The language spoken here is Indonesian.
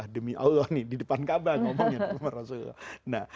demi allah nih di depan kaabah ngomongin rasulullah